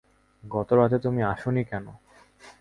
গত রাতে তুমি আস নি কেন?